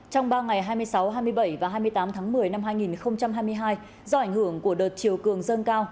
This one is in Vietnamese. trong ba ngày hai mươi sáu hai mươi bảy và hai mươi tám tháng một mươi năm hai nghìn hai mươi hai do ảnh hưởng của đợt chiều cường dâng cao